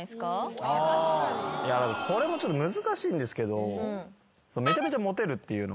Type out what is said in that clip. これもちょっと難しいんですけど。